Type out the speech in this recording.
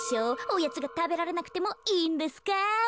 おやつがたべられなくてもいいんですか？